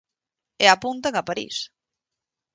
E apuntan a París.